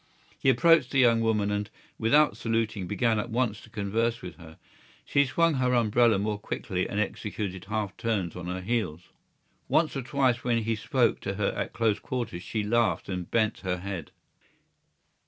He approached the young woman and, without saluting, began at once to converse with her. She swung her umbrella more quickly and executed half turns on her heels. Once or twice when he spoke to her at close quarters she laughed and bent her head.